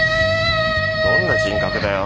どんな人格だよ。